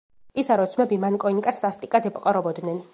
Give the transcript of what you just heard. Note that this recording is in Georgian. პისაროს ძმები მანკო ინკას სასტიკად ეპყრობოდნენ.